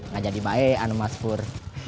nggak jadi baean mas pur